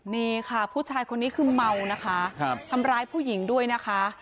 นี่ค่ะผู้ชายคนนี้คือเมานะคะทำร้ายผู้หญิงด้วยนะคะ